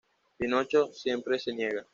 Pinocho siempre se niega.